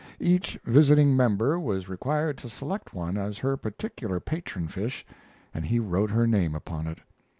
Each visiting member was required to select one as her particular patron fish and he wrote her name upon it.